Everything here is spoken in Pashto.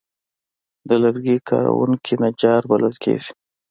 د لرګي کار کوونکي نجار بلل کېږي.